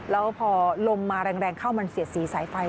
แล้วพอลมมาแรงเข้ามันเสียดสีสายไฟ